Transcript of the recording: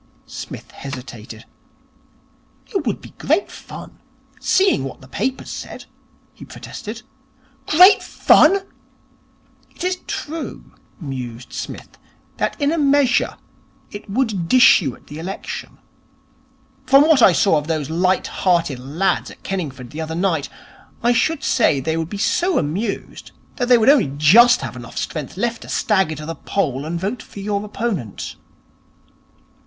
Psmith hesitated. 'It would be great fun seeing what the papers said,' he protested. 'Great fun!' 'It is true,' mused Psmith, 'that in a measure, it would dish you at the election. From what I saw of those light hearted lads at Kenningford the other night, I should say they would be so amused that they would only just have enough strength left to stagger to the poll and vote for your opponent.'